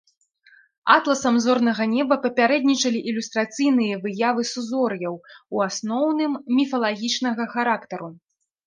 Атласам зорнага неба папярэднічалі ілюстрацыйныя выявы сузор'яў, у асноўным, міфалагічнага характару.